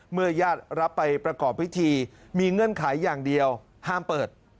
ญาติรับไปประกอบพิธีมีเงื่อนไขอย่างเดียวห้ามเปิด